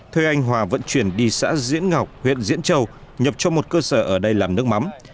thuê anh hòa vận chuyển đi xã diễn ngọc huyện diễn châu nhập cho một cơ sở ở đây làm nước mắm